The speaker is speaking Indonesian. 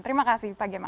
terima kasih pak gemma